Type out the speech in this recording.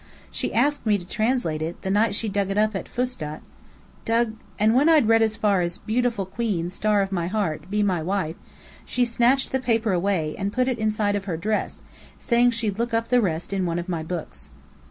She asked me to translate it, the night she dug it up at Fustât " "Dug " "And when I'd read as far as, 'Beautiful Queen, Star of my Heart, be my wife,' she snatched the paper away, and put it inside her dress, saying she'd look up the rest in one of my books."